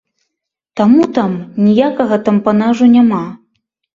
Таму там ніякага тампанажу няма!